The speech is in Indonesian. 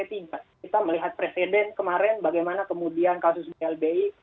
kita melihat presiden kemarin bagaimana kemudian kasus blbi